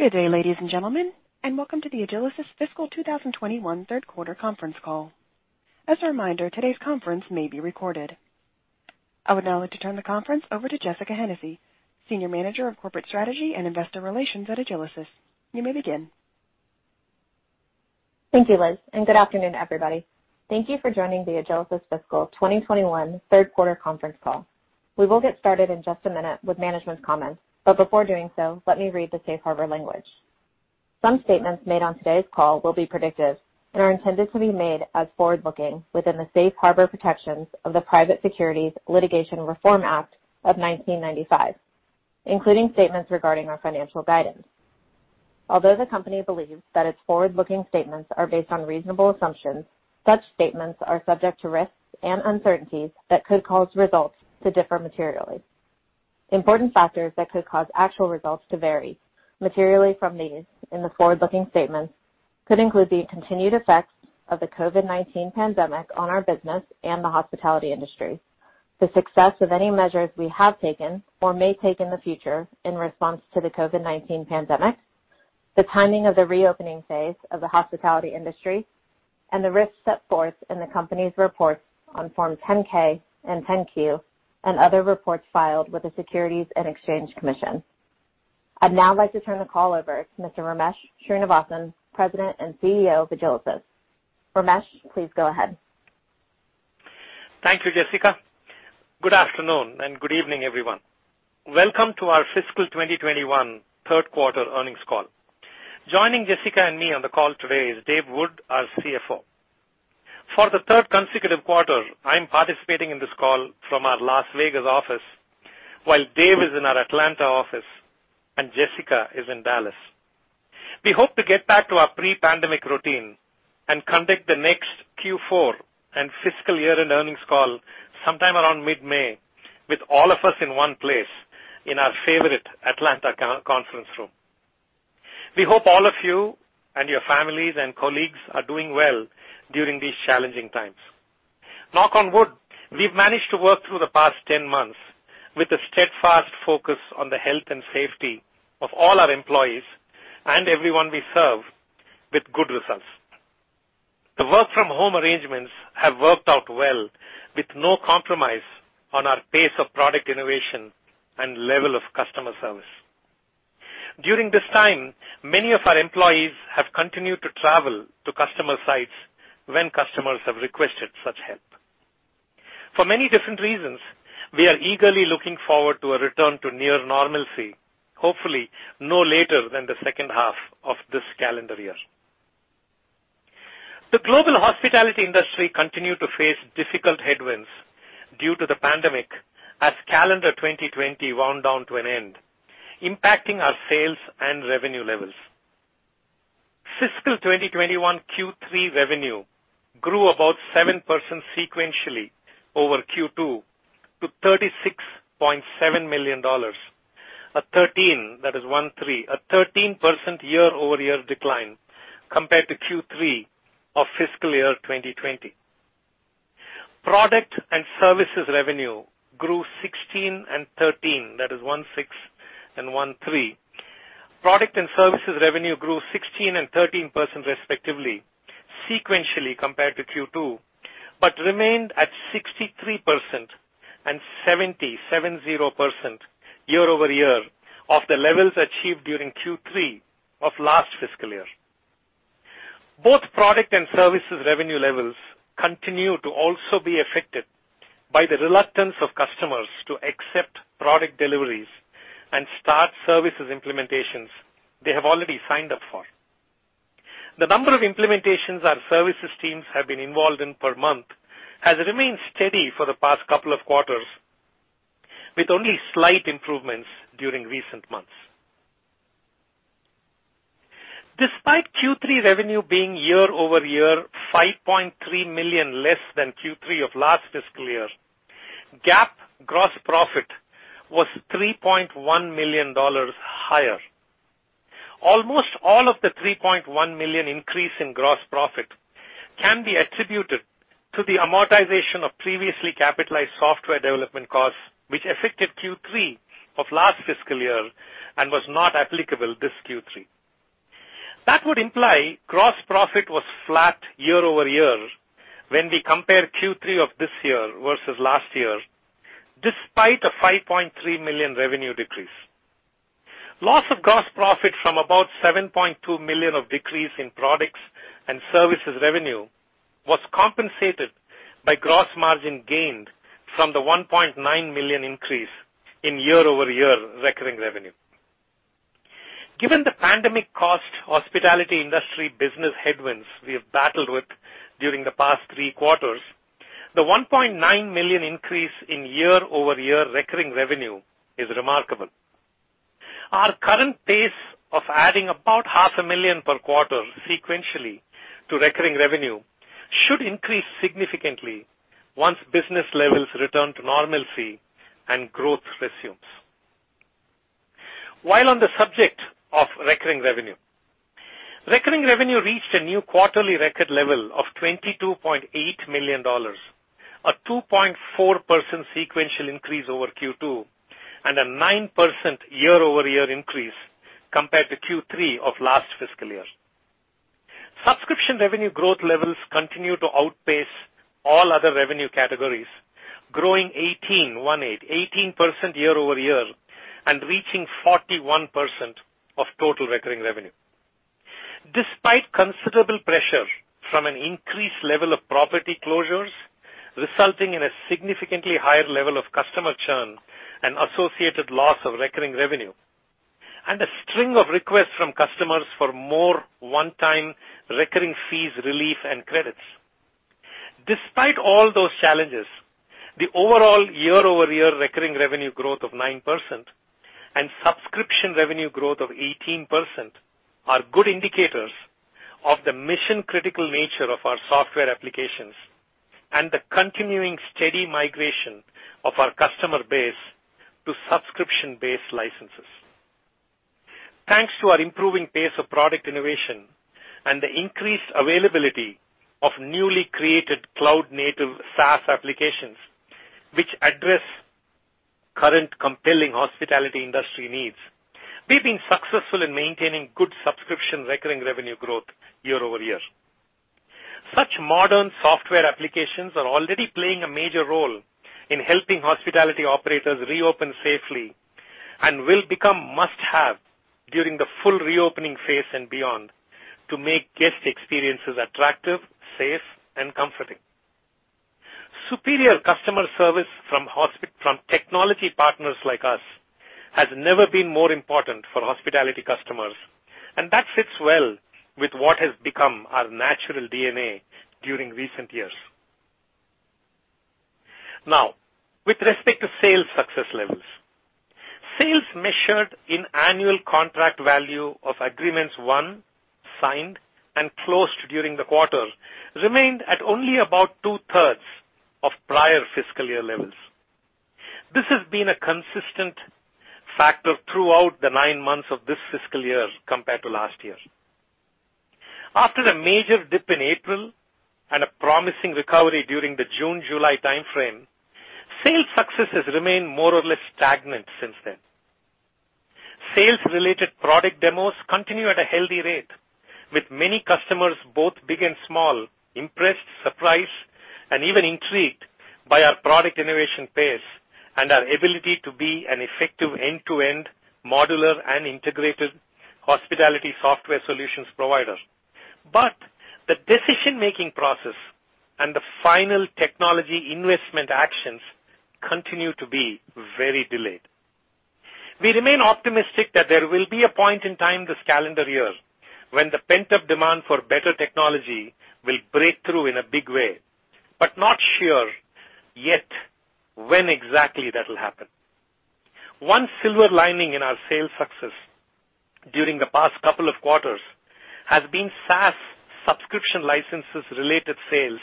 Good day, ladies and gentlemen, and welcome to the Agilysys fiscal 2021 third quarter conference call. As a reminder, today's conference may be recorded. I would now like to turn the conference over to Jessica Hennessy, Senior Manager of Corporate Strategy and Investor Relations at Agilysys. You may begin. Thank you, Liz, and good afternoon, everybody. Thank you for joining the Agilysys fiscal 2021 third quarter conference call. We will get started in just a minute with management's comments, but before doing so, let me read the safe harbor language. Some statements made on today's call will be predictive and are intended to be made as forward-looking within the safe harbor protections of the Private Securities Litigation Reform Act of 1995, including statements regarding our financial guidance. Although the company believes that its forward-looking statements are based on reasonable assumptions, such statements are subject to risks and uncertainties that could cause results to differ materially. Important factors that could cause actual results to vary materially from these in the forward-looking statements could include the continued effects of the COVID-19 pandemic on our business and the hospitality industry, the success of any measures we have taken or may take in the future in response to the COVID-19 pandemic, the timing of the reopening phase of the hospitality industry, and the risks set forth in the company's reports on Form 10-K and 10-Q, and other reports filed with the Securities and Exchange Commission. I'd now like to turn the call over to Mr. Ramesh Srinivasan, President and CEO of Agilysys. Ramesh, please go ahead. Thank you, Jessica. Good afternoon and good evening, everyone. Welcome to our fiscal 2021 third quarter earnings call. Joining Jessica and me on the call today is Dave Wood, our CFO. For the third consecutive quarter, I'm participating in this call from our Las Vegas office, while Dave is in our Atlanta office and Jessica is in Dallas. We hope to get back to our pre-pandemic routine and conduct the next Q4, and fiscal year-end earnings call sometime around mid-May with all of us in one place in our favorite Atlanta conference room. We hope all of you and your families and colleagues are doing well during these challenging times. Knock on wood, we've managed to work through the past 10 months with a steadfast focus on the health and safety of all our employees and everyone we serve with good results. The work-from-home arrangements have worked out well with no compromise on our pace of product innovation and level of customer service. During this time, many of our employees have continued to travel to customer sites when customers have requested such help. For many different reasons, we are eagerly looking forward to a return to near normalcy, hopefully no later than the second half of this calendar year. The global hospitality industry continued to face difficult headwinds due to the pandemic as calendar 2020 wound down to an end, impacting our sales and revenue levels. Fiscal 2021 Q3 revenue grew about 7% sequentially over Q2 to $36.7 million, a 13%, that is one three, a 13% year-over-year decline compared to Q3 of fiscal year 2020. Product and services revenue grew 16% and 13%, that is one six and one three. Product and services revenue grew 16% and 13% respectively, sequentially compared to Q2, but remained at 63% and 70%, seven zero percent, year-over-year of the levels achieved during Q3 of last fiscal year. Both product and services revenue levels continue to also be affected by the reluctance of customers to accept product deliveries and start services implementations they have already signed up for. The number of implementations our services teams have been involved in per month has remained steady for the past couple of quarters, with only slight improvements during recent months. Despite Q3 revenue being year-over-year $5.3 million less than Q3 of last fiscal year, GAAP gross profit was $3.1 million higher. Almost all of the $3.1 million increase in gross profit can be attributed to the amortization of previously capitalized software development costs, which affected Q3 of last fiscal year and was not applicable this Q3. That would imply gross profit was flat year-over-year when we compare Q3 of this year versus last year, despite a $5.3 million revenue decrease. Loss of gross profit from about $7.2 million of decrease in products and services revenue was compensated by gross margin gained from the $1.9 million increase in year-over-year recurring revenue. Given the pandemic-caused hospitality industry business headwinds we have battled with during the past three quarters, the $1.9 million increase in year-over-year recurring revenue is remarkable. Our current pace of adding about $500,000 per quarter sequentially to recurring revenue should increase significantly once business levels return to normalcy and growth resumes. While on the subject of recurring revenue, recurring revenue reached a new quarterly record level of $22.8 million, a 2.4% sequential increase over Q2, and a 9% year-over-year increase compared to Q3 of last fiscal year. Subscription revenue growth levels continue to outpace all other revenue categories, growing 18%, one eight, 18% year-over-year and reaching 41% of total recurring revenue. Despite considerable pressure from an increased level of property closures resulting in a significantly higher level of customer churn and associated loss of recurring revenue, and a string of requests from customers for more one-time recurring fees relief and credits. Despite all those challenges, the overall year-over-year recurring revenue growth of 9% and subscription revenue growth of 18% are good indicators of the mission-critical nature of our software applications and the continuing steady migration of our customer base to subscription-based licenses. Thanks to our improving pace of product innovation and the increased availability of newly created cloud-native SaaS applications, which address current compelling hospitality industry needs, we've been successful in maintaining good subscription recurring revenue growth year-over-year. Such modern software applications are already playing a major role in helping hospitality operators reopen safely and will become must-have during the full reopening phase and beyond to make guest experiences attractive, safe, and comforting. Superior customer service from technology partners like us has never been more important for hospitality customers, and that fits well with what has become our natural DNA during recent years. Now, with respect to sales success levels. Sales measured in annual contract value of agreements won, signed, and closed during the quarter remained at only about 2/3 of prior fiscal year levels. This has been a consistent factor throughout the nine months of this fiscal year compared to last year. After a major dip in April and a promising recovery during the June-July timeframe, sales success has remained more or less stagnant since then. Sales-related product demos continue at a healthy rate, with many customers, both big and small, impressed, surprised, and even intrigued by our product innovation pace and our ability to be an effective end-to-end modular and integrated hospitality software solutions provider. But the decision-making process and the final technology investment actions continue to be very delayed. We remain optimistic that there will be a point in time this calendar year when the pent-up demand for better technology will break through in a big way, but not sure yet when exactly that'll happen. One silver lining in our sales success during the past couple of quarters has been SaaS-subscription-licenses-related sales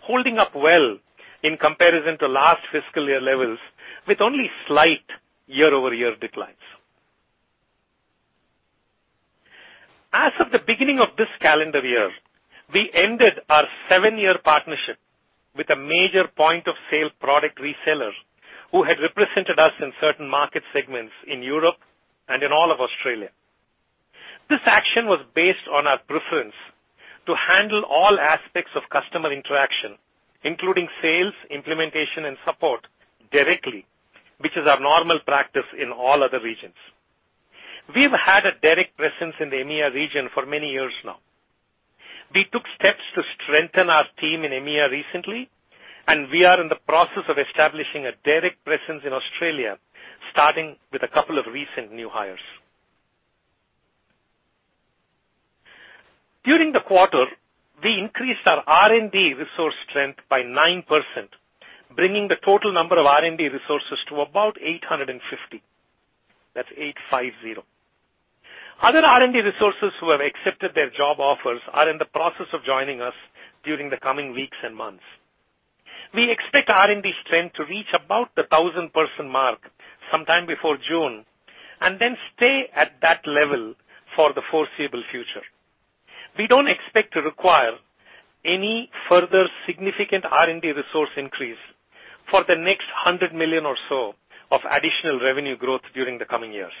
holding up well in comparison to last fiscal year levels with only slight year-over-year declines. As of the beginning of this calendar year, we ended our seven-year partnership with a major point-of-sale product reseller who had represented us in certain market segments in Europe and in all of Australia. This action was based on our preference to handle all aspects of customer interaction, including sales, implementation, and support directly, which is our normal practice in all other regions. We've had a direct presence in the EMEA region for many years now. We took steps to strengthen our team in EMEA recently, and we are in the process of establishing a direct presence in Australia, starting with a couple of recent new hires. During the quarter, we increased our R&D resource strength by 9%, bringing the total number of R&D resources to about 850. That's eight five zero. Other R&D resources who have accepted their job offers are in the process of joining us during the coming weeks and months. We expect R&D strength to reach about the 1,000-person mark sometime before June and then stay at that level for the foreseeable future. We don't expect to require any further significant R&D resource increase for the next $100 million or so of additional revenue growth during the coming years.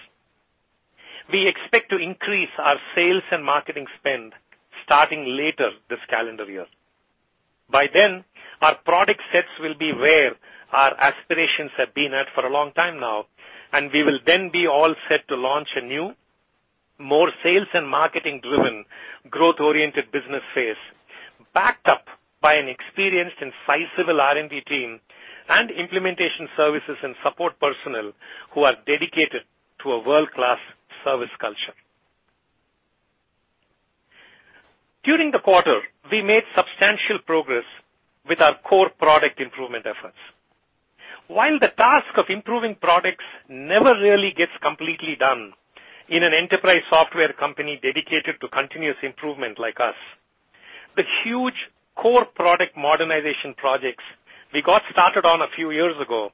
We expect to increase our sales and marketing spend starting later this calendar year. By then, our product sets will be where our aspirations have been at for a long time now, and we will then be all set to launch a new, more sales- and marketing-driven, growth-oriented business phase backed up by an experienced and sizable R&D team and implementation services and support personnel who are dedicated to a world-class service culture. During the quarter, we made substantial progress with our core product improvement efforts. While the task of improving products never really gets completely done in an enterprise software company dedicated to continuous improvement like us, but huge core product modernization projects we got started on a few years ago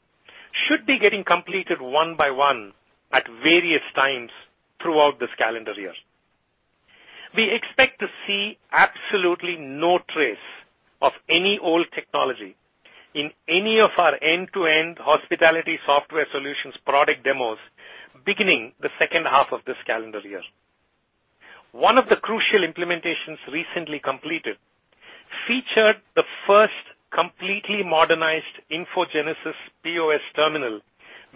should be getting completed one by one at various times throughout this calendar year. We expect to see absolutely no trace of any old technology in any of our end-to-end hospitality software solutions product demos, beginning the second half of this calendar year. One of the crucial implementations recently completed featured the first completely modernized InfoGenesis POS terminal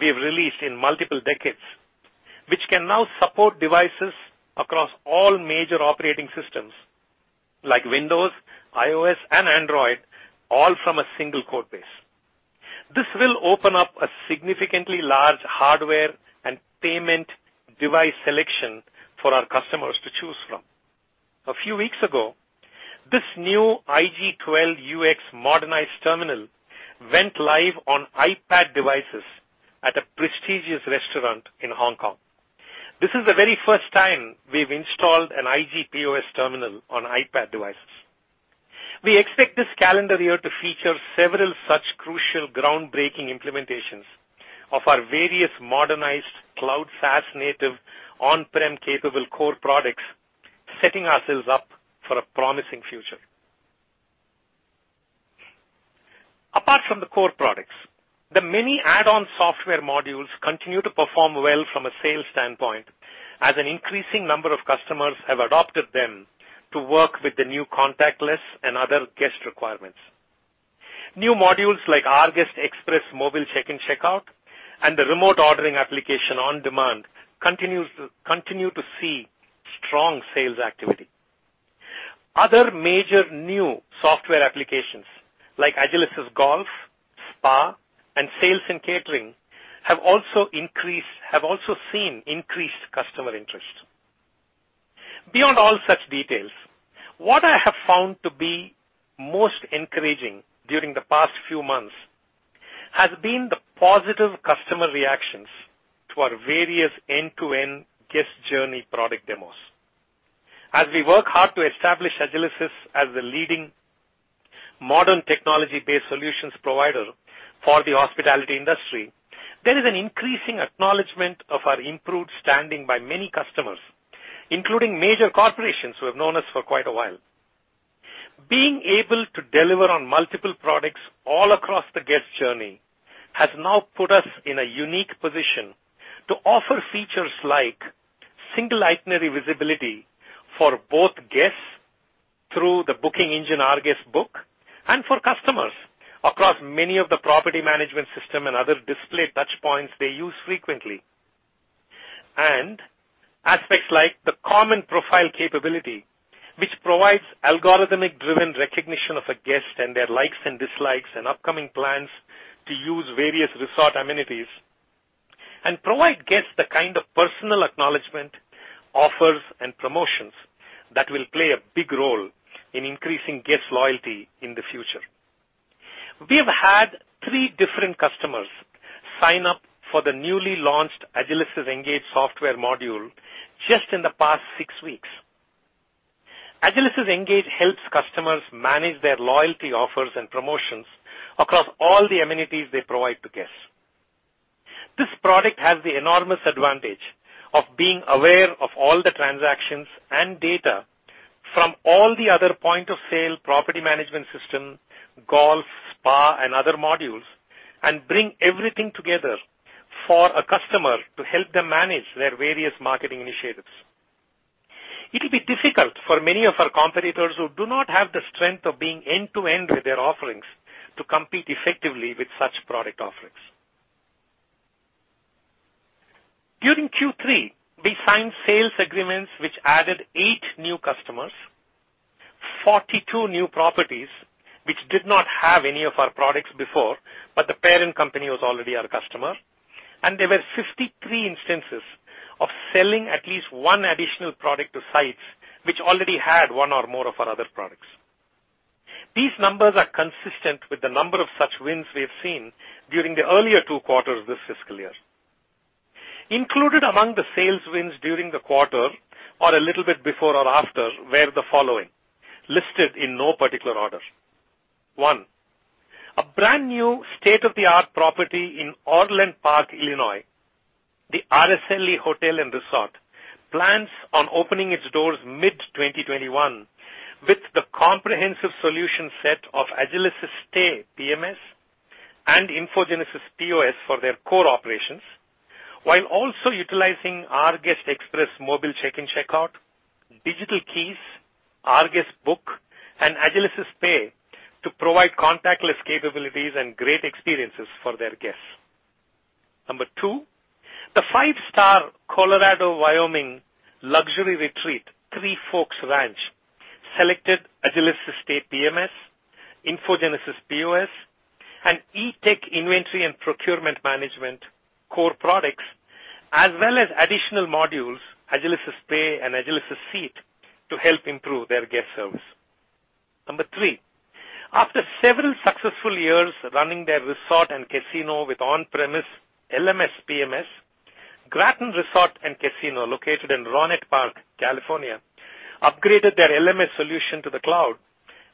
we've released in multiple decades, which can now support devices across all major operating systems like Windows, iOS, and Android, all from a single code base. This will open up a significantly large hardware and payment device selection for our customers to choose from. A few weeks ago, this new IG 12UX modernized terminal went live on iPad devices at a prestigious restaurant in Hong Kong. This is the very first time we've installed an IG POS terminal on iPad devices. We expect this calendar year to feature several such crucial groundbreaking implementations of our various modernized cloud SaaS native, on-prem-capable core products, setting ourselves up for a promising future. Apart from the core products, the many add-on software modules continue to perform well from a sales standpoint as an increasing number of customers have adopted them to work with the new contactless and other guest requirements. New modules like rGuest Express mobile check-in check-out, and the remote ordering application OnDemand continue to see strong sales activity. Other major new software applications like Agilysys Golf, Spa, and Sales & Catering, have also seen increased customer interest. Beyond all such details, what I have found to be most encouraging during the past few months has been the positive customer reactions to our various end-to-end guest journey product demos. As we work hard to establish Agilysys as the leading modern technology-based solutions provider for the hospitality industry, there is an increasing acknowledgment of our improved standing by many customers, including major corporations who have known us for quite a while. Being able to deliver on multiple products all across the guest journey has now put us in a unique position to offer features like single itinerary visibility for both guests through the booking engine rGuest Book, and for customers across many of the property management system and other display touchpoints they use frequently, and aspects like the common profile capability, which provides algorithmic-driven recognition of a guest and their likes and dislikes and upcoming plans to use various resort amenities and provide guests the kind of personal acknowledgment, offers, and promotions that will play a big role in increasing guest loyalty in the future. We have had three different customers sign up for the newly launched Agilysys Engage software module just in the past six weeks. Agilysys Engage helps customers manage their loyalty offers and promotions across all the amenities they provide to guests. This product has the enormous advantage of being aware of all the transactions and data from all the other point of sale property management system, golf, spa, and other modules, and bring everything together for a customer to help them manage their various marketing initiatives. It will be difficult for many of our competitors who do not have the strength of being end-to-end with their offerings to compete effectively with such product offerings. During Q3, we signed sales agreements, which added eight new customers, 42 new properties, which did not have any of our products before, but the parent company was already our customer, and there were 53 instances of selling at least one additional product to sites which already had one or more of our other products. These numbers are consistent with the number of such wins we have seen during the earlier two quarters this fiscal year. Included among the sales wins during the quarter or a little bit before or after were the following, listed in no particular order. One, a brand-new state-of-the-art property in Orland Park, Illinois. The Araceli Hotel & Resort plans on opening its doors mid-2021 with the comprehensive solution set of Agilysys Stay PMS and InfoGenesis POS for their core operations, while also utilizing rGuest Express mobile check-in checkout, digital keys, rGuest Book, and Agilysys Pay to provide contactless capabilities and great experiences for their guests. Number two, the five-star Colorado, Wyoming luxury retreat, Three Forks Ranch, selected Agilysys Stay PMS, InfoGenesis POS, and Eatec inventory and procurement management core products, as well as additional modules, Agilysys Pay and Agilysys Seat, to help improve their guest service. Number three, after several successful years running their resort and casino with on-premises LMS PMS, Graton Resort & Casino, located in Rohnert Park, California, upgraded their LMS solution to the cloud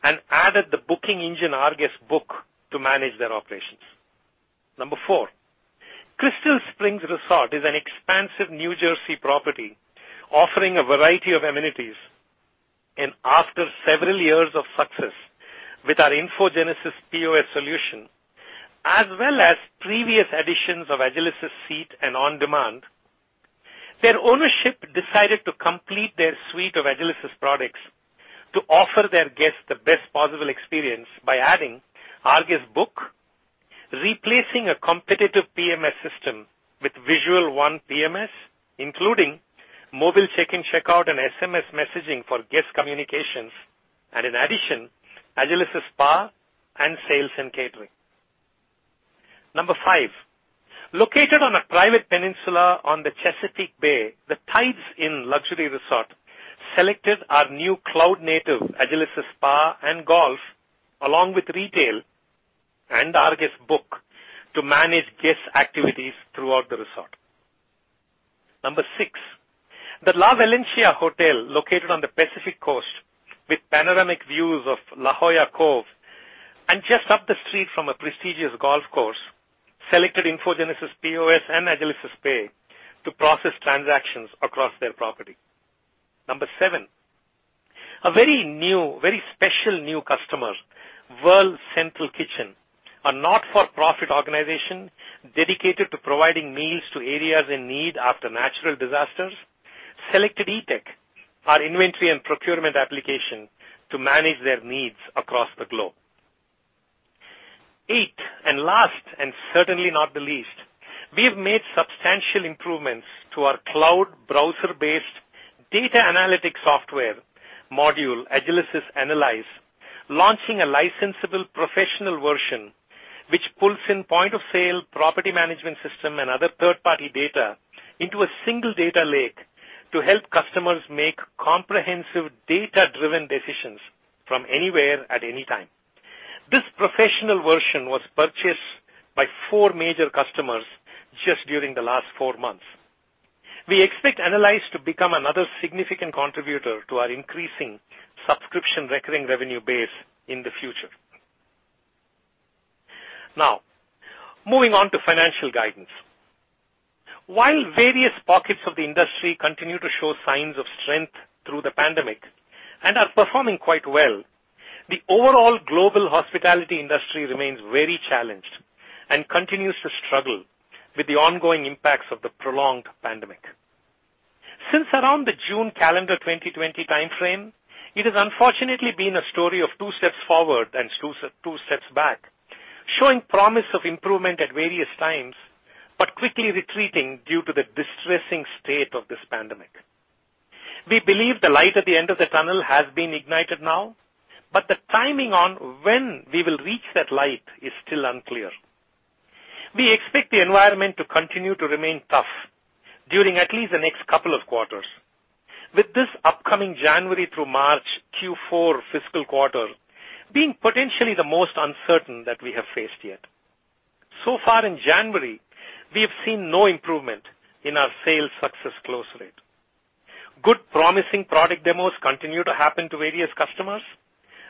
and added the booking engine rGuest Book to manage their operations. Number four, Crystal Springs Resort is an expansive New Jersey property offering a variety of amenities, and after several years of success with our InfoGenesis POS solution, as well as previous additions of Agilysys Seat and OnDemand, their ownership decided to complete their suite of Agilysys products to offer their guests the best possible experience by adding rGuest Book, replacing a competitive PMS system with Visual One PMS, including mobile check-in, checkout, and SMS messaging for guest communications, and in addition, Agilysys Spa and Sales & Catering. Number five, located on a private peninsula on the Chesapeake Bay, The Tides Inn luxury resort selected our new cloud-native Agilysys Spa and Golf, along with Retail and rGuest Book to manage guest activities throughout the resort. Number six, the La Valencia Hotel, located on the Pacific Coast with panoramic views of La Jolla Cove, and just up the street from a prestigious golf course, selected InfoGenesis POS and Agilysys Pay to process transactions across their property. Number seven, a very new, very special new customer, World Central Kitchen, a not-for-profit organization dedicated to providing meals to areas in need after natural disasters, selected Eatec, our inventory and procurement application, to manage their needs across the globe. Eight, and last, and certainly not the least, we've made substantial improvements to our cloud browser-based data analytics software module, Agilysys Analyze, launching a licensable professional version, which pulls in point of sale, property management system, and other third-party data into a single data lake to help customers make comprehensive data-driven decisions from anywhere at any time. This professional version was purchased by four major customers just during the last four months. We expect Analyze to become another significant contributor to our increasing subscription recurring revenue base in the future. Now, moving on to financial guidance. While various pockets of the industry continue to show signs of strength through the pandemic and are performing quite well, the overall global hospitality industry remains very challenged and continues to struggle with the ongoing impacts of the prolonged pandemic. Since around the June calendar 2020 timeframe, it has unfortunately been a story of two steps forward and two steps back, showing promise of improvement at various times, but quickly retreating due to the distressing state of this pandemic. We believe the light at the end of the tunnel has been ignited now, but the timing on when we will reach that light is still unclear. We expect the environment to continue to remain tough during at least the next couple of quarters, with this upcoming January through March Q4 fiscal quarter being potentially the most uncertain that we have faced yet. So far in January, we have seen no improvement in our sales success close rate. Good promising product demos continue to happen to various customers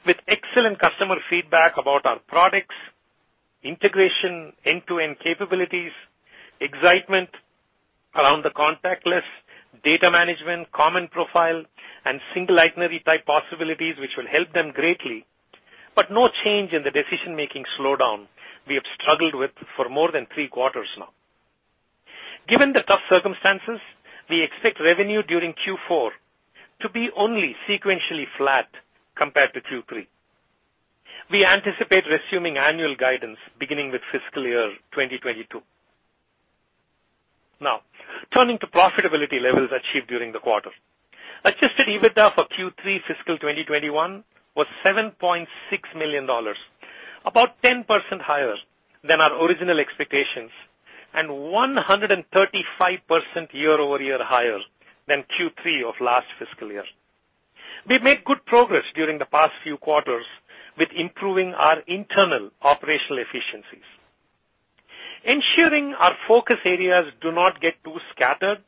with excellent customer feedback about our products, integration, end-to-end capabilities, excitement around the contactless data management, common profile, and single itinerary type possibilities, which will help them greatly, but no change in the decision-making slowdown we have struggled with for more than three quarters now. Given the tough circumstances, we expect revenue during Q4 to be only sequentially flat compared to Q3. We anticipate resuming annual guidance beginning with fiscal year 2022. Now, turning to profitability levels achieved during the quarter. Adjusted EBITDA for Q3 fiscal 2021 was $7.6 million, about 10% higher than our original expectations, and 135% year-over-year higher than Q3 of last fiscal year. We've made good progress during the past few quarters with improving our internal operational efficiencies. Ensuring our focus areas do not get too scattered,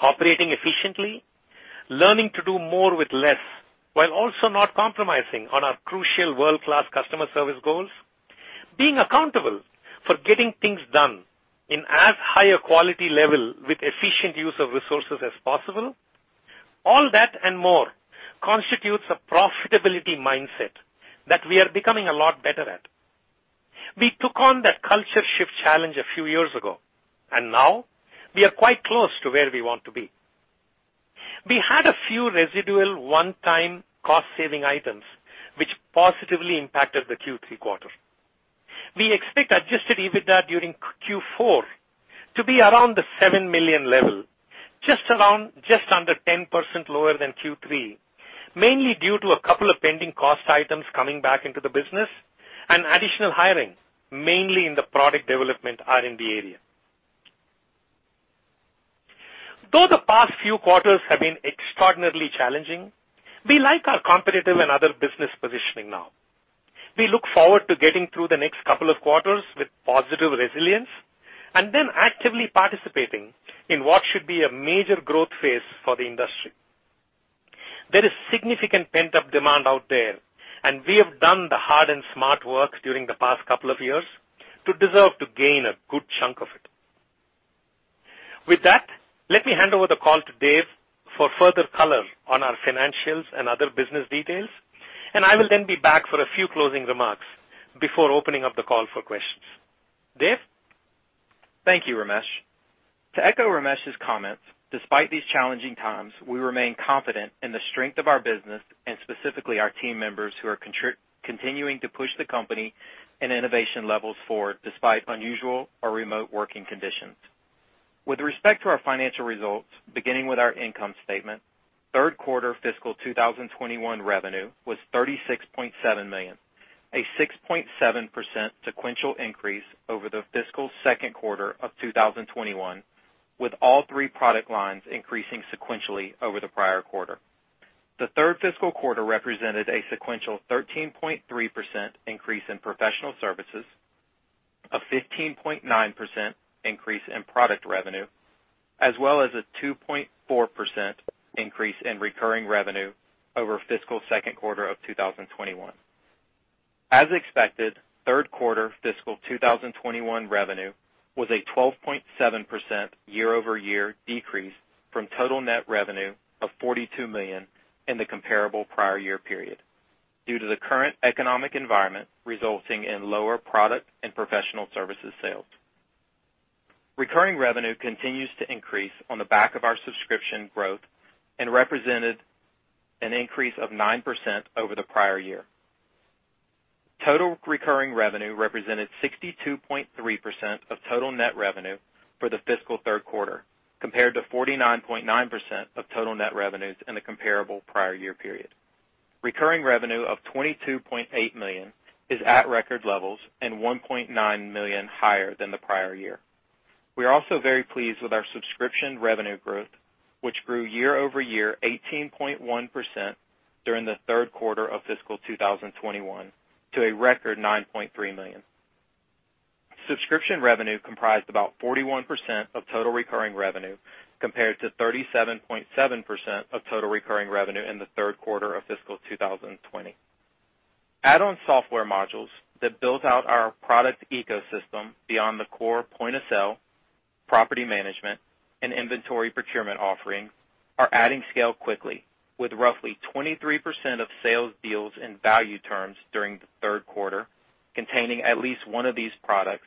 operating efficiently, learning to do more with less, while also not compromising on our crucial world-class customer service goals, being accountable for getting things done in as higher quality level with efficient use of resources as possible, all that and more constitutes a profitability mindset that we are becoming a lot better at. We took on that culture shift challenge a few years ago, and now, we are quite close to where we want to be. We had a few residual one-time cost-saving items, which positively impacted the Q3 quarter. We expect adjusted EBITDA during Q4 to be around the $7 million level, just around, just under 10% lower than Q3, mainly due to a couple of pending cost items coming back into the business and additional hiring, mainly in the product development R&D area. Though the past few quarters have been extraordinarily challenging, we like our competitive and other business positioning now. We look forward to getting through the next couple of quarters with positive resilience and then actively participating in what should be a major growth phase for the industry. There is significant pent-up demand out there, and we have done the hard and smart work during the past couple of years to deserve to gain a good chunk of it. With that, let me hand over the call to Dave for further color on our financials and other business details, and I will then be back for a few closing remarks before opening up the call for questions. Dave? Thank you, Ramesh. To echo Ramesh's comments, despite these challenging times, we remain confident in the strength of our business and specifically our team members who are continuing to push the company and innovation levels forward, despite unusual or remote working conditions. With respect to our financial results, beginning with our income statement, third quarter fiscal 2021 revenue was $36.7 million, a 6.7% sequential increase over the fiscal second quarter of 2021, with all three product lines increasing sequentially over the prior quarter. The third fiscal quarter represented a sequential 13.3% increase in professional services, a 15.9% increase in product revenue, as well as a 2.4% increase in recurring revenue over fiscal second quarter of 2021. As expected, third quarter fiscal 2021 revenue was a 12.7% year-over-year decrease from total net revenue of $42 million in the comparable prior-year period due to the current economic environment resulting in lower product and professional services sales. Recurring revenue continues to increase on the back of our subscription growth and represented an increase of 9% over the prior year. Total recurring revenue represented 62.3% of total net revenue for the fiscal third quarter, compared to 49.9% of total net revenues in the comparable prior-year period. Recurring revenue of $22.8 million is at record levels and $1.9 million higher than the prior year. We are also very pleased with our subscription revenue growth, which grew year-over-year 18.1% during the third quarter of fiscal 2021 to a record $9.3 million. Subscription revenue comprised about 41% of total recurring revenue, compared to 37.7% of total recurring revenue in the third quarter of fiscal 2020. Add-on software modules that build out our product ecosystem beyond the core point of sale, property management, and inventory procurement offerings are adding scale quickly, with roughly 23% of sales deals in value terms during the third quarter containing at least one of these products,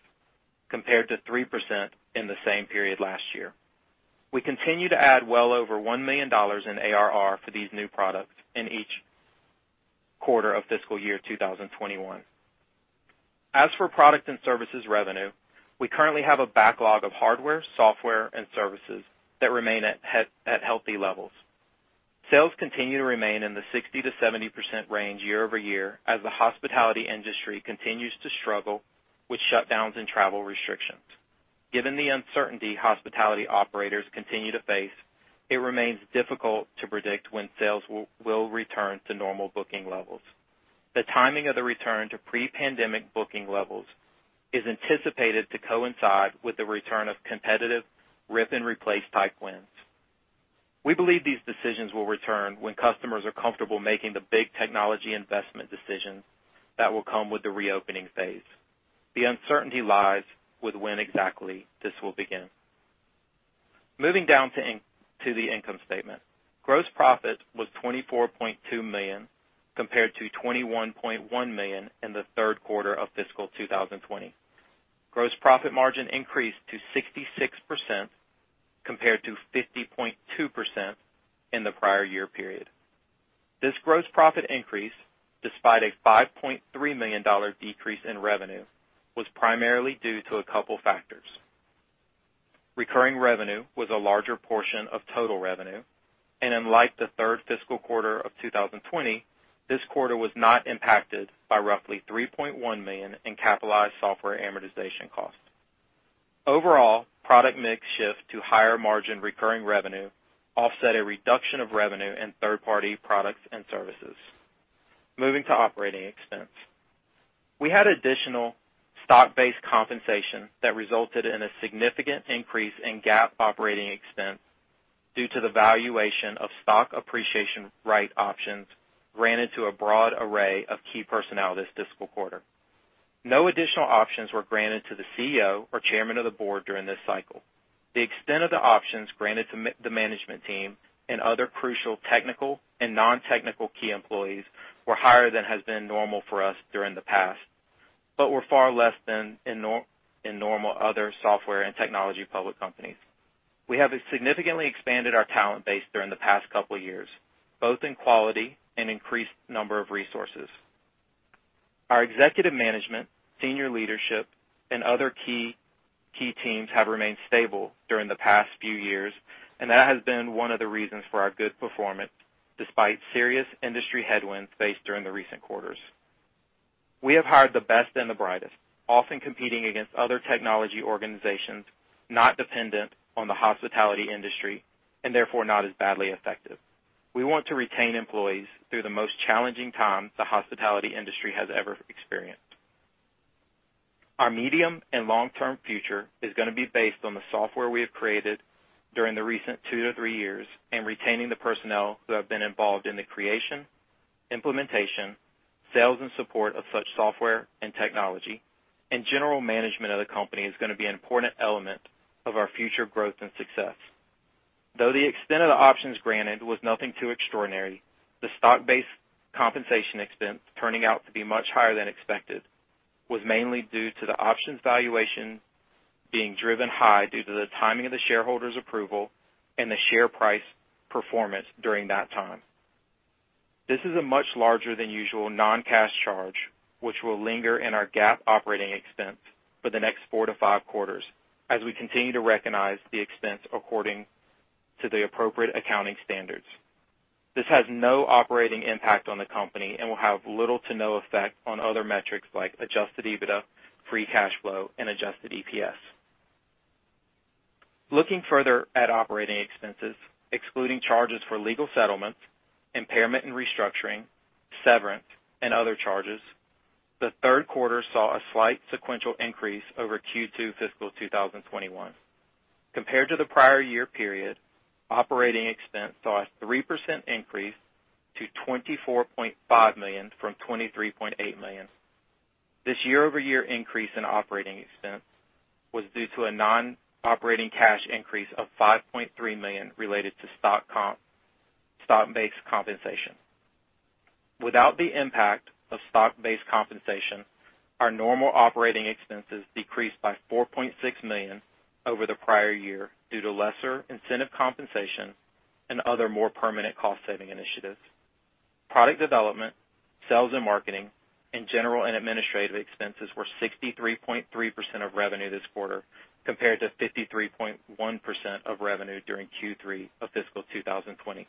compared to 3% in the same period last year. We continue to add well over $1 million in ARR for these new products in each quarter of fiscal year 2021. As for product and services revenue, we currently have a backlog of hardware, software, and services that remain at healthy levels. Sales continue to remain in the 60%-70% range year-over-year as the hospitality industry continues to struggle with shutdowns and travel restrictions. Given the uncertainty hospitality operators continue to face, it remains difficult to predict when sales will return to normal booking levels. The timing of the return to pre-pandemic booking levels is anticipated to coincide with the return of competitive rip-and-replace-type wins. We believe these decisions will return when customers are comfortable making the big technology investment decisions that will come with the reopening phase. The uncertainty lies with when exactly this will begin. Moving down to the income statement. Gross profit was $24.2 million, compared to $21.1 million in the third quarter of fiscal 2020. Gross profit margin increased to 66%, compared to 50.2% in the prior-year period. This gross profit increase, despite a $5.3 million decrease in revenue, was primarily due to a couple factors. Recurring revenue was a larger portion of total revenue, and unlike the third fiscal quarter of 2020, this quarter was not impacted by roughly $3.1 million in capitalized software amortization costs. Overall, product mix shift to higher margin recurring revenue offset a reduction of revenue in third-party products and services. Moving to operating expense. We had additional stock-based compensation that resulted in a significant increase in GAAP operating expense due to the valuation of stock appreciation right options granted to a broad array of key personnel this fiscal quarter. No additional options were granted to the CEO or Chairman of the Board during this cycle. The extent of the options granted to the management team and other crucial technical and non-technical key employees were higher than has been normal for us during the past but were far less than in normal other software and technology public companies. We have significantly expanded our talent base during the past couple years, both in quality and increased number of resources. Our executive management, senior leadership, and other key teams have remained stable during the past few years, and that has been one of the reasons for our good performance, despite serious industry headwinds faced during the recent quarters. We have hired the best and the brightest, often competing against other technology organizations not dependent on the hospitality industry, and therefore not as badly affected. We want to retain employees through the most challenging time the hospitality industry has ever experienced. Our medium- and long-term future is going to be based on the software we have created during the recent two to three years, and retaining the personnel who have been involved in the creation, implementation, sales and support of such software and technology, and general management of the company is going to be an important element of our future growth and success. Though the extent of the options granted was nothing too extraordinary, the stock-based compensation expense turning out to be much higher than expected was mainly due to the options valuation being driven high due to the timing of the shareholders' approval and the share price performance during that time. This is a much larger than usual non-cash charge, which will linger in our GAAP operating expense for the next four to five quarters, as we continue to recognize the expense according to the appropriate accounting standards. This has no operating impact on the company and will have little to no effect on other metrics like adjusted EBITDA, free cash flow, and adjusted EPS. Looking further at operating expenses, excluding charges for legal settlements, impairment and restructuring, severance, and other charges, the third quarter saw a slight sequential increase over Q2 fiscal 2021. Compared to the prior-year period, operating expense saw a 3% increase to $24.5 million from $23.8 million. This year-over-year increase in operating expense was due to a non-operating cash increase of $5.3 million related to stock comp, stock-based compensation. Without the impact of stock-based compensation, our normal operating expenses decreased by $4.6 million over the prior year due to lesser incentive compensation and other more permanent cost-saving initiatives. Product development, sales and marketing, and general and administrative expenses were 63.3% of revenue this quarter, compared to 53.1% of revenue during Q3 of fiscal 2020.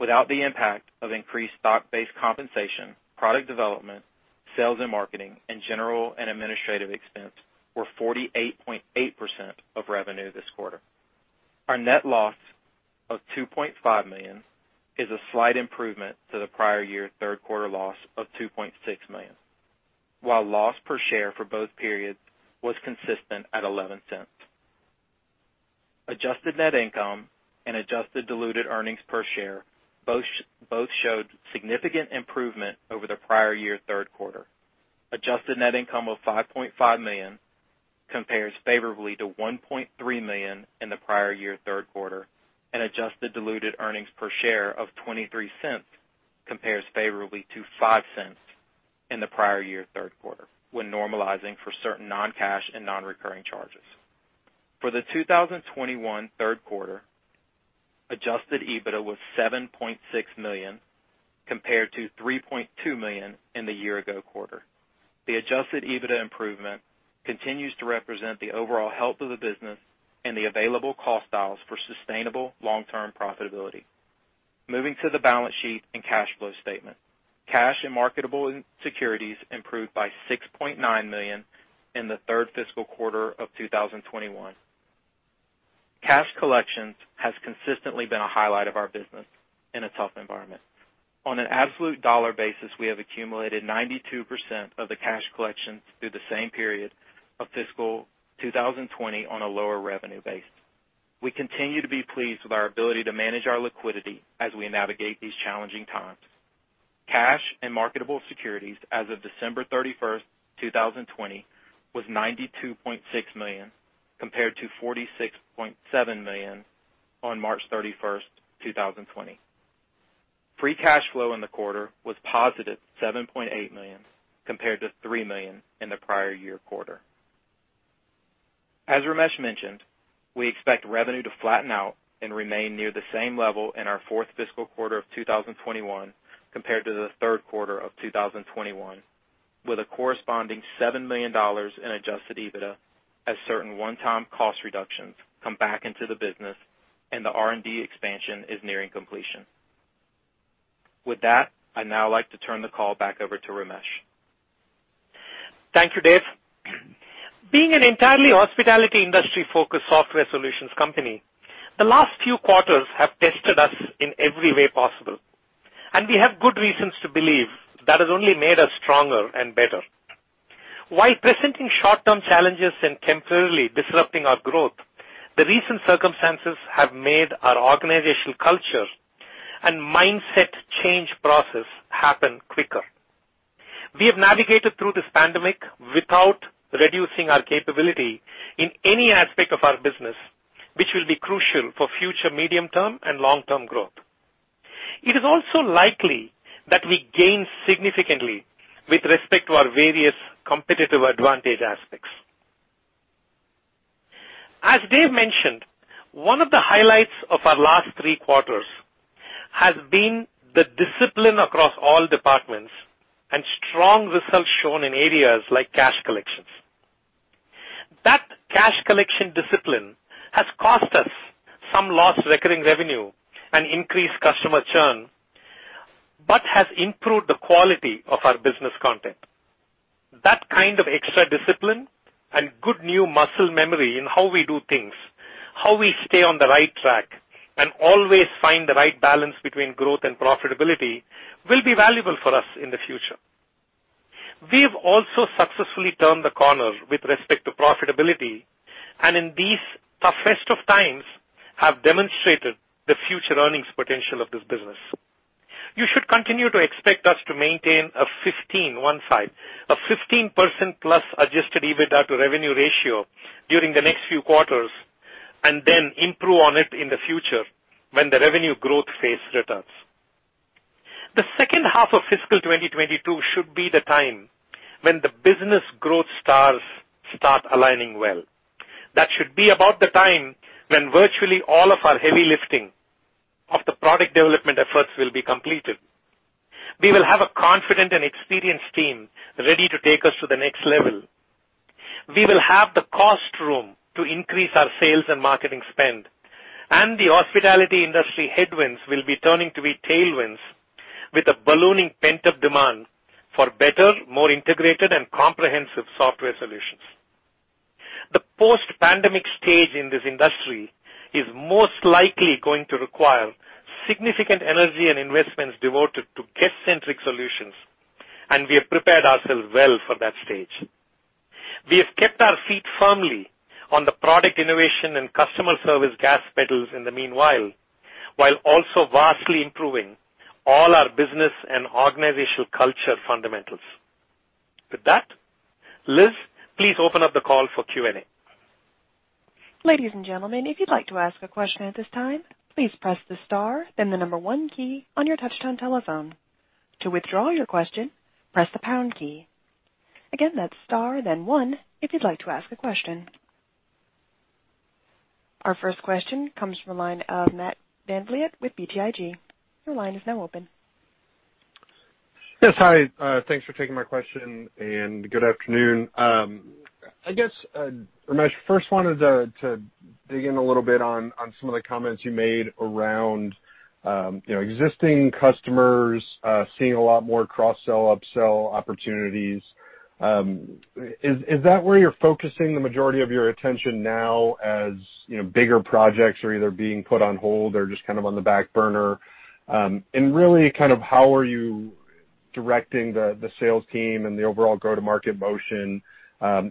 Without the impact of increased stock-based compensation, product development, sales and marketing, and general and administrative expense were 48.8% of revenue this quarter. Our net loss of $2.5 million is a slight improvement to the prior-year third quarter loss of $2.6 million, while loss per share for both periods was consistent at $0.11. Adjusted net income and adjusted diluted earnings per share both showed significant improvement over the prior-year third quarter. Adjusted net income of $5.5 million compares favorably to $1.3 million in the prior-year third quarter and adjusted diluted earnings per share of $0.23 compares favorably to $0.05 in the prior-year third quarter, when normalizing for certain non-cash and non-recurring charges. For the 2021 third quarter, adjusted EBITDA was $7.6 million, compared to $3.2 million in the year-ago quarter. The adjusted EBITDA improvement continues to represent the overall health of the business and the available cost dials for sustainable long-term profitability. Moving to the balance sheet and cash flow statement. Cash and marketable securities improved by $6.9 million in the third fiscal quarter of 2021. Cash collections has consistently been a highlight of our business in a tough environment. On an absolute dollar basis, we have accumulated 92% of the cash collections through the same period of fiscal 2020 on a lower revenue base. We continue to be pleased with our ability to manage our liquidity as we navigate these challenging times. Cash and marketable securities as of December 31st, 2020, was $92.6 million, compared to $46.7 million on March 31st, 2020. Free cash flow in the quarter was +$7.8 million, compared to $3 million in the prior-year quarter. As Ramesh mentioned, we expect revenue to flatten out and remain near the same level in our fourth fiscal quarter of 2021 compared to the third quarter of 2021 with a corresponding $7 million in adjusted EBITDA as certain one-time cost reductions come back into the business and the R&D expansion is nearing completion. With that, I'd now like to turn the call back over to Ramesh. Thank you, Dave. Being an entirely hospitality industry-focused software solutions company, the last few quarters have tested us in every way possible, and we have good reasons to believe that has only made us stronger and better. While presenting short-term challenges and temporarily disrupting our growth, the recent circumstances have made our organizational culture and mindset change process happen quicker. We have navigated through this pandemic without reducing our capability in any aspect of our business, which will be crucial for future medium-term and long-term growth. It is also likely that we gain significantly with respect to our various competitive advantage aspects. As Dave mentioned, one of the highlights of our last three quarters has been the discipline across all departments and strong results shown in areas like cash collections. That cash collection discipline has cost us some lost recurring revenue and increased customer churn but has improved the quality of our business content. That kind of extra discipline and good new muscle memory in how we do things, how we stay on the right track, and always find the right balance between growth and profitability will be valuable for us in the future. We've also successfully turned the corner with respect to profitability, and in these toughest of times, have demonstrated the future earnings potential of this business. You should continue to expect us to maintain a 15%, one five, a 15%+ adjusted EBITDA-to-revenue ratio during the next few quarters and then improve on it in the future when the revenue growth phase returns. The second half of fiscal 2022 should be the time when the business growth stars start aligning well. That should be about the time when virtually all of our heavy lifting of the product development efforts will be completed. We will have a confident and experienced team ready to take us to the next level. We will have the cost room to increase our sales and marketing spend, and the hospitality industry headwinds will be turning to be tailwinds with a ballooning pent-up demand for better, more integrated, and comprehensive software solutions. The post-pandemic stage in this industry is most likely going to require significant energy and investments devoted to guest-centric solutions, and we have prepared ourselves well for that stage. We have kept our feet firmly on the product innovation and customer service gas pedals in the meanwhile, while also vastly improving all our business and organizational culture fundamentals. With that, Liz, please open up the call for Q&A. Ladies and gentlemen, if you'd like to ask a question at this time, please press the star then the number one key on your touch-tone telephone. To withdraw your question, press the pound key. Again, that's star then one if you'd like to ask a question. Our first question comes from the line of Matt VanVliet with BTIG. Your line is now open. Yes. Hi. Thanks for taking my question, and good afternoon. I guess, Ramesh, first wanted to dig in a little bit on some of the comments you made around, you know, existing customers, seeing a lot more cross-sell, up-sell opportunities. Is that where you're focusing the majority of your attention now as, you know, bigger projects are either being put on hold or just kind of on the back burner? And really, kind of how are you directing the sales team and the overall go-to-market motion,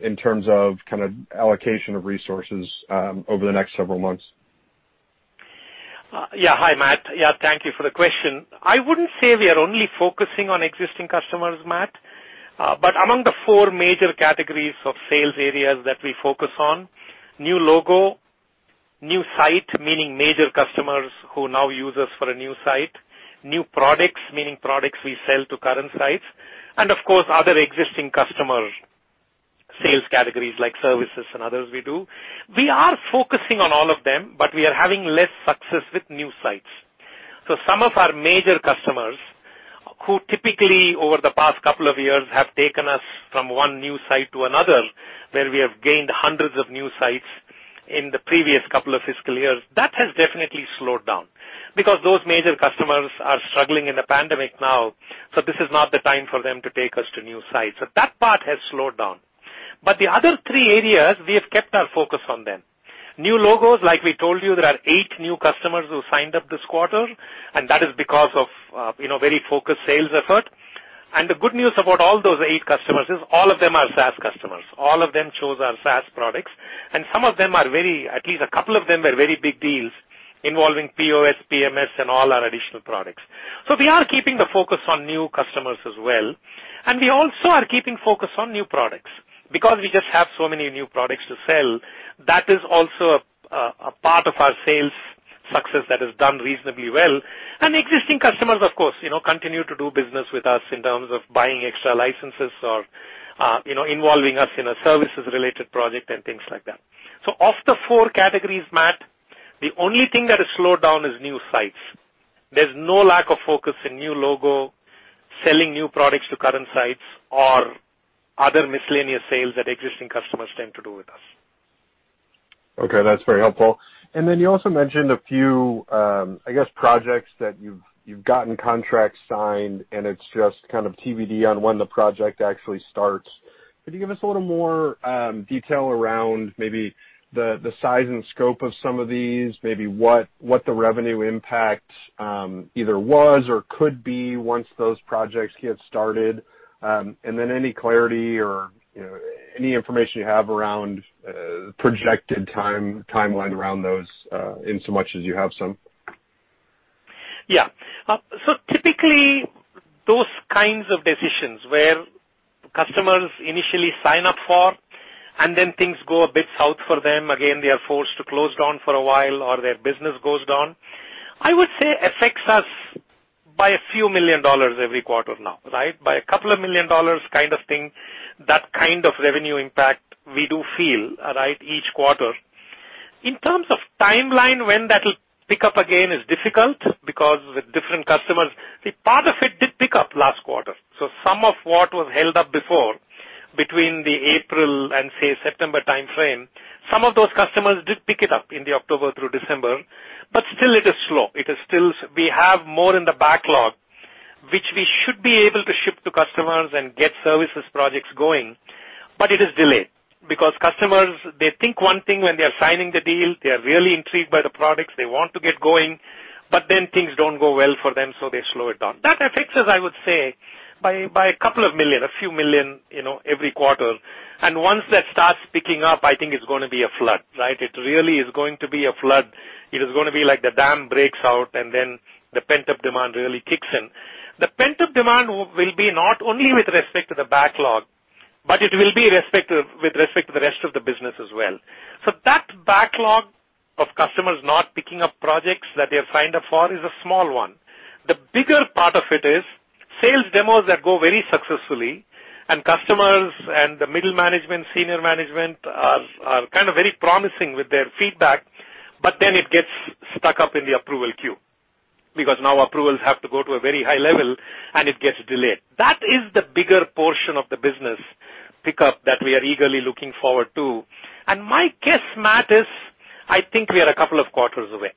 in terms of kind of allocation of resources over the next several months? Yeah. Hi, Matt. Thank you for the question. I wouldn't say we are only focusing on existing customers, Matt, but among the four major categories of sales areas that we focus on, new logo, new site, meaning major customers who now use us for a new site, new products, meaning products we sell to current sites and, of course, other existing customer sales categories like services and others we do, we are focusing on all of them, but we are having less success with new sites. Some of our major customers, who typically, over the past couple of years, have taken us from one new site to another, where we have gained hundreds of new sites in the previous couple of fiscal years, that has definitely slowed down because those major customers are struggling in the pandemic now, so this is not the time for them to take us to new sites. That part has slowed down, but the other three areas, we have kept our focus on them. New logos, like we told you, there are eight new customers who signed up this quarter, and that is because of very focused sales effort. The good news about all those eight customers is all of them are SaaS customers. All of them chose our SaaS products, and some of them are very, at least a couple of them, were very big deals involving POS, PMS, and all our additional products. We are keeping the focus on new customers as well, and we also are keeping focus on new products because we just have so many new products to sell. That is also a part of our sales success that has done reasonably well. And existing customers, of course, you know, continue to do business with us in terms of buying extra licenses or involving us in a services-related project and things like that. Of the four categories, Matt, the only thing that has slowed down is new sites. There's no lack of focus in new logo, selling new products to current sites, or other miscellaneous sales that existing customers tend to do with us. Okay, that's very helpful. Then, you also mentioned a few, I guess, projects that you've gotten contracts signed, and it's just kind of TBD on when the project actually starts. Could you give us a little more detail around maybe the size and scope of some of these, maybe what the revenue impact either was or could be once those projects get started? And then any clarity or any information you have around projected timeline around those, insomuch as you have some. Yeah. Typically, those kinds of decisions where customers initially sign up for and then things go a bit south for them, again, they are forced to close down for a while or their business goes down, I would say affects us by a few million dollars every quarter now, right? By a couple of million dollars kind of thing, that kind of revenue impact we do feel, right, each quarter. In terms of timeline, when that will pick up again is difficult because with different customers, part of it did pick up last quarter. Some of what was held up before between the April and, say, September timeframe, some of those customers did pick it up in the October through December, but still, it is slow. It is still, we have more in the backlog, which we should be able to ship to customers and get services projects going, but it is delayed because customers, they think one thing when they're signing the deal, they are really intrigued by the products they want to get going, but then things don't go well for them, so they slow it down. That affects us, I would say, by a couple of million, a few million, you know, every quarter. Once that starts picking up, I think it's going to be a flood. Right? It really is going to be a flood. It is going to be like the dam breaks out, and then the pent-up demand really kicks in. The pent-up demand will be not only with respect to the backlog, but it will be with respect to the rest of the business as well. That backlog of customers not picking up projects that they have signed up for is a small one. The bigger part of it is sales demos that go very successfully and customers and the middle management, senior management, are kind of very promising with their feedback, but then it gets stuck up in the approval queue because now, approvals have to go to a very high level and it gets delayed. That is the bigger portion of the business pickup that we are eagerly looking forward to. My guess, Matt, is I think we are a couple of quarters away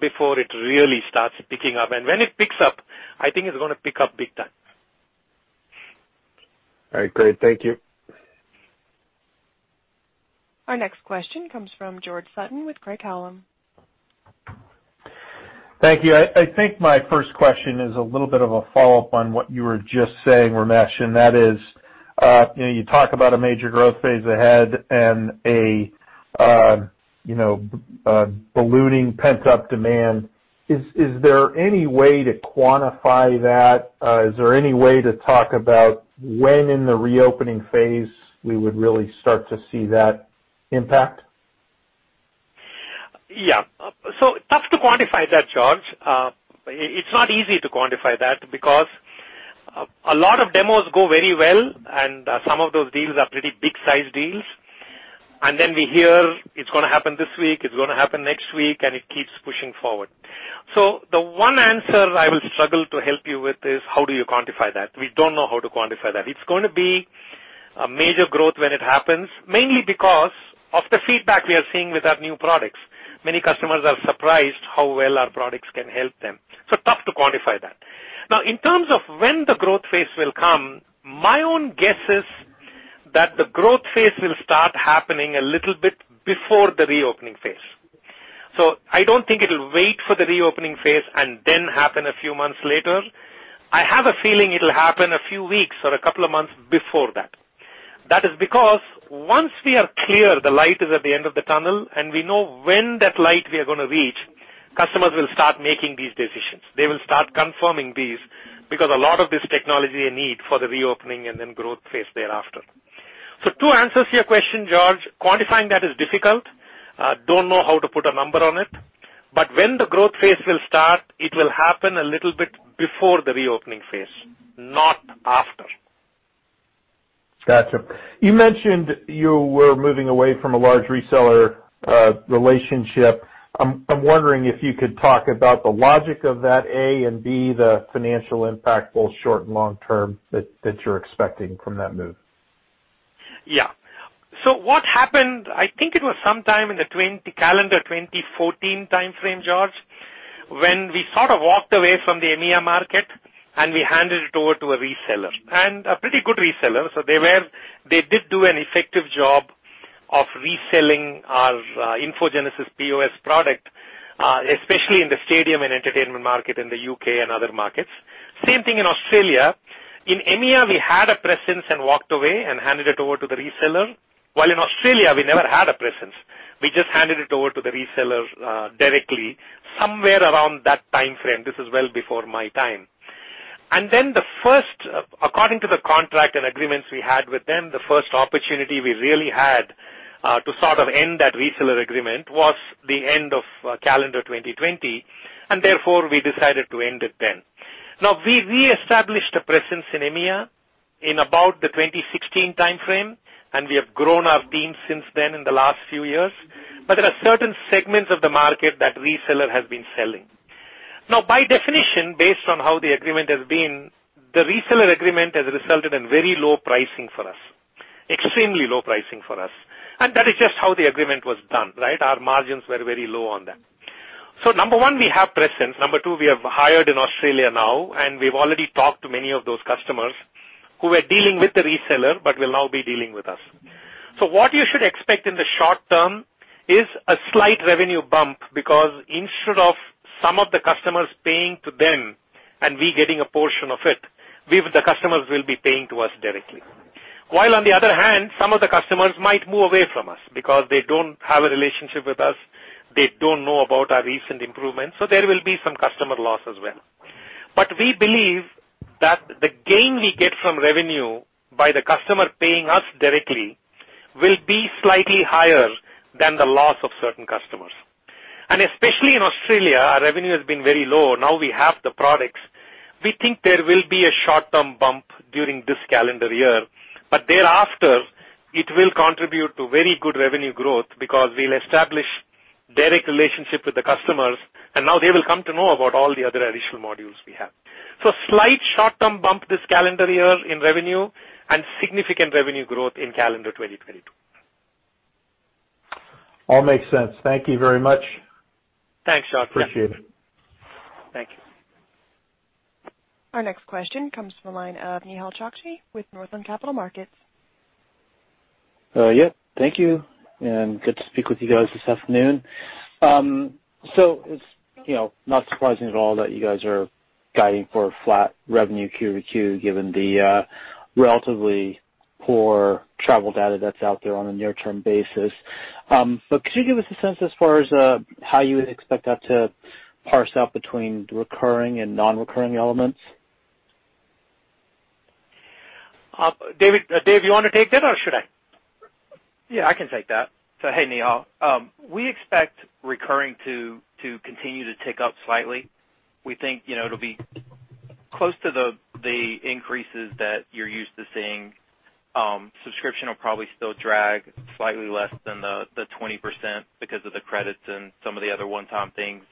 before it really starts picking up. When it picks up, I think it's going to pick up big time. All right, great. Thank you. Our next question comes from George Sutton with Craig-Hallum. Thank you. I think my first question is a little bit of a follow-up on what you were just saying, Ramesh, and that is, you know, you talk about a major growth phase ahead and a, you know, ballooning pent-up demand. Is there any way to quantify that? Is there any way to talk about when in the reopening phase we would really start to see that impact? Yeah. So, tough to quantify that, George. It's not easy to quantify that because a lot of demos go very well and some of those deals are pretty big-sized deals, and then we hear it's going to happen this week, it's going to happen next week, and it keeps pushing forward. The one answer I will struggle to help you with is how do you quantify that. We don't know how to quantify that. It's going to be a major growth when it happens, mainly because of the feedback we are seeing with our new products. Many customers are surprised how well our products can help them. So, tough to quantify that. Now, in terms of when the growth phase will come, my own guess is that the growth phase will start happening a little bit before the reopening phase. I don't think it'll wait for the reopening phase and then happen a few months later. I have a feeling it'll happen a few weeks or a couple of months before that. That is because once we are clear, the light is at the end of the tunnel, and we know when that light we are going to reach, customers will start making these decisions. They will start confirming these because a lot of this technology they need for the reopening and then growth phase thereafter. So, two answers to your question, George. Quantifying that is difficult, don't know how to put a number on it, but when the growth phase will start, it will happen a little bit before the reopening phase, not after. Got you. You mentioned you were moving away from a large reseller relationship. I'm wondering if you could talk about the logic of that, A, and B, the financial impact, both short and long term, that you're expecting from that move. Yeah. What happened, I think it was sometime in the calendar 2014 timeframe, George, when we sort of walked away from the EMEA market and we handed it over to a reseller, and a pretty good reseller. They did do an effective job of reselling our InfoGenesis POS product, especially in the stadium and entertainment market in the U.K. and other markets. Same thing in Australia. In EMEA, we had a presence and walked away and handed it over to the reseller. While in Australia, we never had a presence. We just handed it over to the reseller directly somewhere around that timeframe. This is well before my time. And then the first, according to the contract and agreements we had with them, the first opportunity we really had to sort of end that reseller agreement was the end of calendar 2020, and therefore, we decided to end it then. Now, we reestablished a presence in EMEA in about the 2016 timeframe, and we have grown our team since then in the last few years, but there are certain segments of the market that reseller has been selling. By definition, based on how the agreement has been, the reseller agreement has resulted in very low pricing for us, extremely low pricing for us. And that is just how the agreement was done, right? Our margins were very low on that. So, number one, we have presence. Number two, we have hired in Australia now, and we've already talked to many of those customers who were dealing with the reseller but will now be dealing with us. What you should expect in the short term is a slight revenue bump because instead of some of the customers paying to them and we getting a portion of it, the customers will be paying to us directly. While on the other hand, some of the customers might move away from us because they don't have a relationship with us, they don't know about our recent improvements, so there will be some customer loss as well. But we believe that the gain we get from revenue by the customer paying us directly will be slightly higher than the loss of certain customers. Especially in Australia, our revenue has been very low. Now, we have the products. We think there will be a short-term bump during this calendar year, but thereafter, it will contribute to very good revenue growth because we'll establish direct relationship with the customers, and now, they will come to know about all the other additional modules we have. So, slight short-term bump this calendar year in revenue and significant revenue growth in calendar 2022. All makes sense. Thank you very much. Thanks, George. Appreciate it. Thank you. Our next question comes from the line of Nehal Chokshi with Northland Capital Markets. Yeah, thank you, and good to speak with you guys this afternoon. So, you know, it's not surprising at all that you guys are guiding for flat revenue QoQ, given the relatively poor travel data that's out there on a near-term basis. But could you give us a sense as far as how you would expect that to parse out between recurring and non-recurring elements? Dave, you want to take that, or should I? Yeah, I can take that. Hey, Nehal. We expect recurring to continue to tick up slightly. We think it'll be close to the increases that you're used to seeing. Subscription will probably still drag slightly less than the 20% because of the credits and some of the other one-time things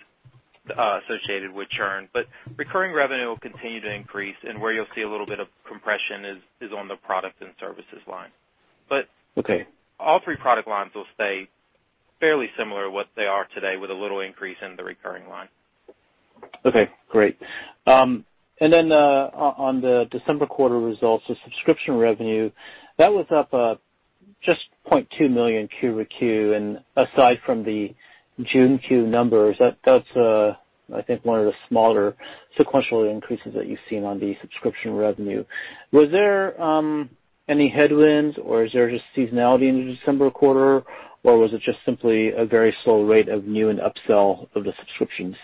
associated with churn. But recurring revenue will continue to increase, and where you'll see a little bit of compression is on the product and services line. Okay. But all three product lines will stay fairly similar to what they are today with a little increase in the recurring line. Okay, great. Then, on the December quarter results, the subscription revenue, that was up just $0.2 million QoQ. Aside from the June Q numbers, that's, I think, one of the smaller sequential increases that you've seen on the subscription revenue. Was there any headwinds or is there just seasonality in the December quarter, or was it just simply a very slow rate of new and upsell of the subscriptions?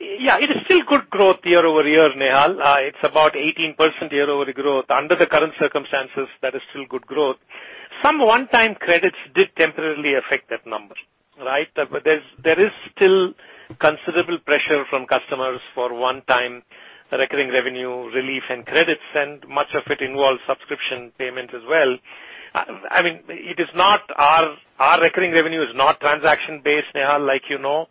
Yeah, it is still good growth year-over-year, Nehal. It's about 18% year-over-year growth. Under the current circumstances, that is still good growth. Some one-time credits did temporarily affect that number, right? There is still considerable pressure from customers for one-time recurring revenue relief and credits, and much of it involves subscription payment as well. It is not our, our recurring revenue is not transaction-based, Nehal, like you know,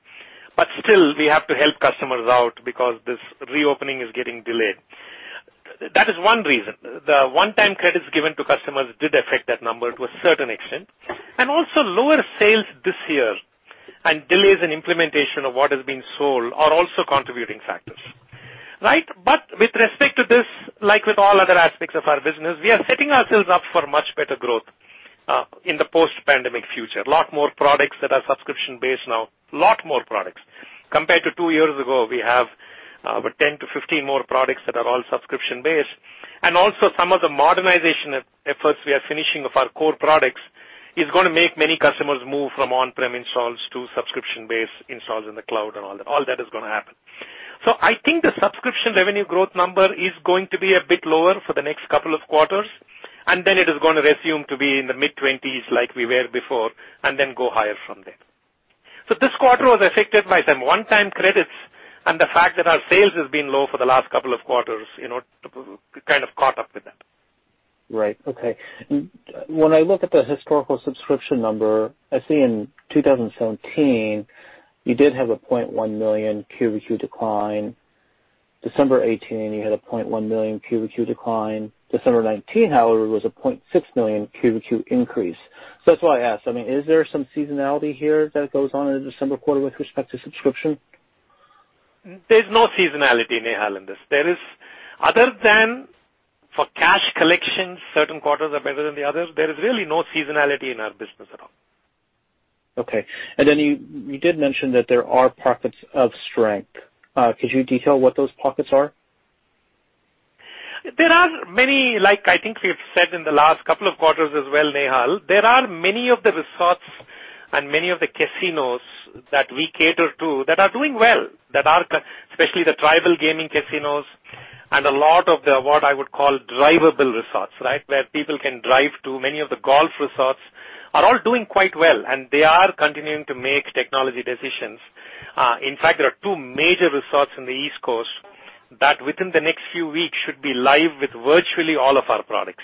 but still, we have to help customers out because this reopening is getting delayed. That is one reason. The one-time credits given to customers did affect that number to a certain extent, and also, lower sales this year and delays in implementation of what is being sold are also contributing factors. Right? But with respect to this, like with all other aspects of our business, we are setting ourselves up for much better growth, in the post-pandemic future. Lot more products that are subscription-based now, lot more products. Compared to two years ago, we have 10-15 more products that are all subscription-based. And also, some of the modernization efforts we are finishing of our core products is going to make many customers move from on-prem installs to subscription-based installs in the cloud and all that. All that is going to happen. I think the subscription revenue growth number is going to be a bit lower for the next couple of quarters, and then it is going to resume to be in the mid-20s like we were before and then go higher from there. This quarter was affected by some one-time credits and the fact that our sales has been low for the last couple of quarters, you know, to kind of caught up with that. Right. Okay. When I look at the historical subscription number, I see in 2017, you did have a $0.1 million QoQ decline. December 2018, you had a $0.1 million QoQ decline. December 2019, however, was a $0.6 million QoQ increase. That's why I asked, I mean, is there some seasonality here that goes on in the December quarter with respect to subscription? There's no seasonality, Nehal, in this. Other than for cash collections, certain quarters are better than the others, but there is really no seasonality in our business at all. Okay. Then you did mention that there are pockets of strength. Could you detail what those pockets are? There are many, like, I think we've said in the last couple of quarters as well, Nehal, there are many of the resorts and many of the casinos that we cater to that are doing well, especially the tribal gaming casinos and a lot of the, what I would call, drivable resorts, right, where people can drive to. Many of the golf resorts are all doing quite well, and they are continuing to make technology decisions. In fact, there are two major resorts on the East Coast that, within the next few weeks, should be live with virtually all of our products.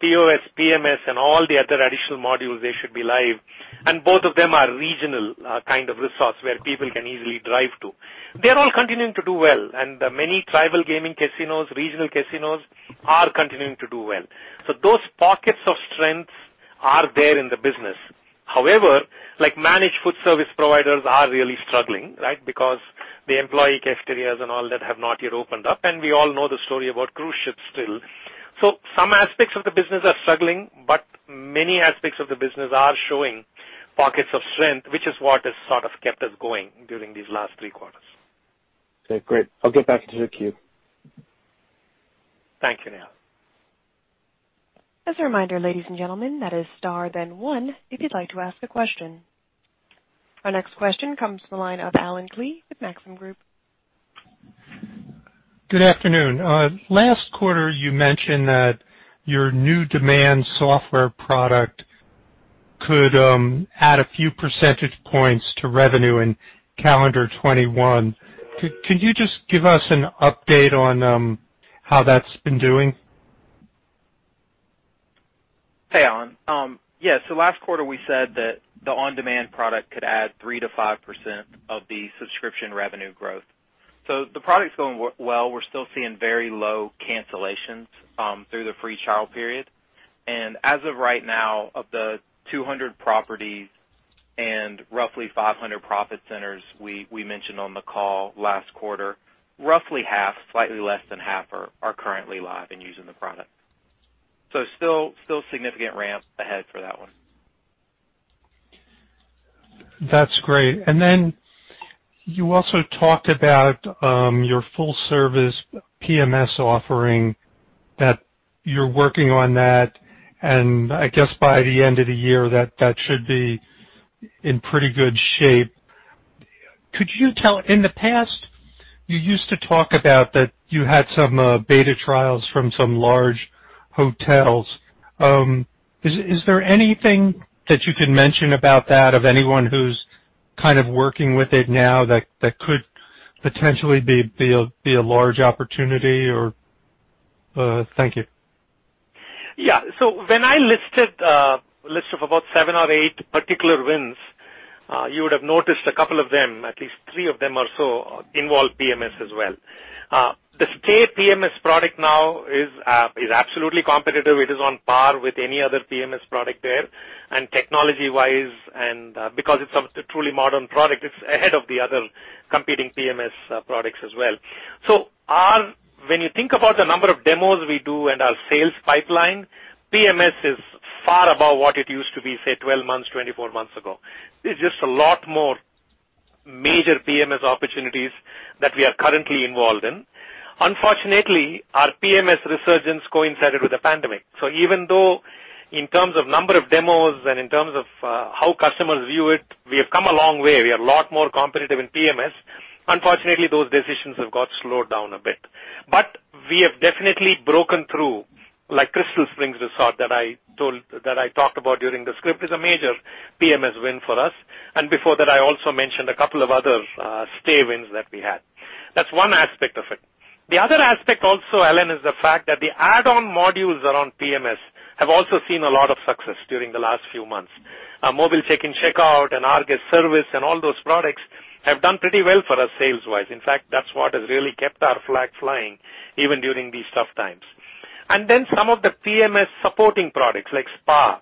POS, PMS, and all the other additional modules, they should be live. Both of them are regional kind of resorts where people can easily drive to. They're all continuing to do well, and many tribal gaming casinos, regional casinos are continuing to do well. Those pockets of strengths are there in the business. However, like managed food service providers are really struggling, right, because the employee cafeterias and all that have not yet opened up, and we all know the story about cruise ships still. So, some aspects of the business are struggling, but many aspects of the business are showing pockets of strength, which is what has sort of kept us going during these last three quarters. Okay, great. I'll get back into the queue. Thank you, Nehal. As a reminder, ladies and gentlemen, that is star then one if you'd like to ask a question. Our next question comes from the line of Allen Klee with Maxim Group. Good afternoon. Last quarter you mentioned that your new demand software product could add a few percentage points to revenue in calendar 2021. Could you just give us an update on how that's been doing? Hey, Allen. Yeah. So, last quarter, we said that the OnDemand product could add 3%-5% of the subscription revenue growth. The product's going well, we're still seeing very low cancellations through the free trial period. As of right now, of the 200 properties and roughly 500 profit centers we mentioned on the call last quarter, roughly half, slightly less than half are currently live and using the product. So, still significant ramp ahead for that one. That's great. Then, you also talked about your full-service PMS offering, that you're working on that, and I guess, by the end of the year, that should be in pretty good shape. Could you tell, in the past, you used to talk about that you had some beta trials from some large hotels, is there anything that you can mention about that of anyone who's kind of working with it now that could potentially be a large opportunity or? Thank you. Yeah. So, when I listed a list of about seven or eight particular wins, you would have noticed a couple of them, at least three of them or so, involve PMS as well. The Stay PMS product now is absolutely competitive. It is on par with any other PMS product there, and technology-wise, and because it's a truly modern product, it's ahead of the other competing PMS products as well. When you think about the number of demos we do and our sales pipeline, PMS is far above what it used to be, say, 12 months, 24 months ago. There's just a lot more major PMS opportunities that we are currently involved in. Unfortunately, our PMS resurgence coincided with the pandemic, so even though in terms of number of demos and in terms of how customers view it, we have come a long way. We are a lot more competitive in PMS. Unfortunately, those decisions have got slowed down a bit. But we have definitely broken through, like Crystal Springs Resort that I talked about during the script, is a major PMS win for us. Before that, I also mentioned a couple of other Stay wins that we had. That's one aspect of it. The other aspect also, Allen, is the fact that the add-on modules around PMS have also seen a lot of success during the last few months. Our mobile check-in, checkout, and rGuest Service, and all those products have done pretty well for us sales-wise. In fact, that's what has really kept our flag flying even during these tough times. And then, some of the PMS supporting products like Spa,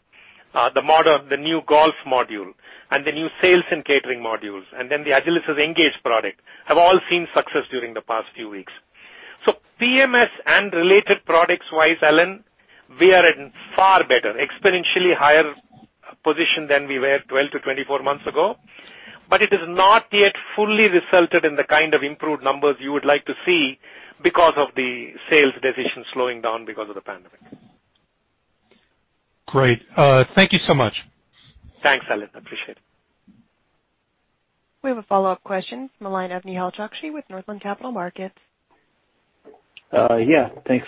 the new Golf module, and the new Sales & Catering modules, and the Agilysys Engage product, have all seen success during the past few weeks. PMS and related products-wise, Allen, we are in far better, exponentially higher position than we were 12-24 months ago, but it has not yet fully resulted in the kind of improved numbers you would like to see because of the sales decisions slowing down because of the pandemic. Great. Thank you so much. Thanks, Allen. Appreciate it. We have a follow-up question from the line of Nehal Chokshi with Northland Capital Markets. Yeah. Thanks.